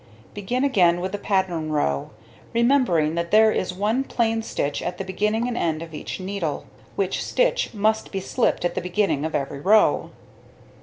Begin again with the pattern row, remembering that there is 1 plain stitch at the beginning and end of each needle, which stitch must be slipped at the beginning of every row.